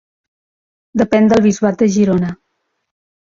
Depèn del bisbat de Girona.